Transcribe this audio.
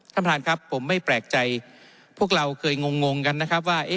ท่านประธานครับผมไม่แปลกใจพวกเราเคยงงกันนะครับว่า